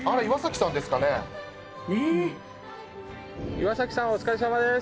岩崎さんお疲れさまです！